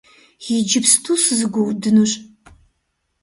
Иджыпсту сызэгуэудынущ!